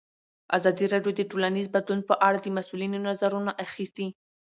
ازادي راډیو د ټولنیز بدلون په اړه د مسؤلینو نظرونه اخیستي.